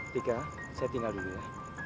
tiga saya tinggal dulu ya